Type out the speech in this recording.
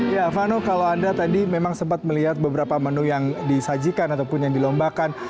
ya vano kalau anda tadi memang sempat melihat beberapa menu yang disajikan ataupun yang dilombakan